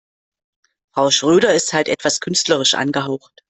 Frau Schröder ist halt etwas künstlerisch angehaucht.